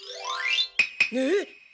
えっ？